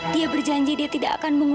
dia berjanji dia tidak akan menggunakan